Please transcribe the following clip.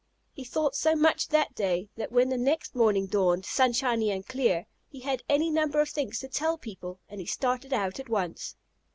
He thought so much that day, that when the next morning dawned sunshiny and clear, he had any number of things to tell people, and he started out at once.